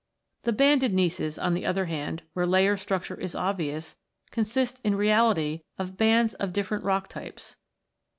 The banded gneisses, on the other hand, where layer structure is obvious, consist in reality of bands of different rock types.